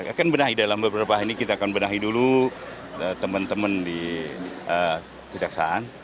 akan benahi dalam beberapa hari ini kita akan benahi dulu teman teman di kejaksaan